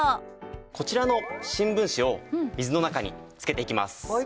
こちらの新聞紙を水の中につけていきます。